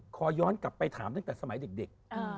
ขอย้อนกลับไปถามตั้งแต่สมัยเด็ก